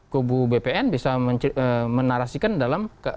kabupaten bisa menarasikan dalam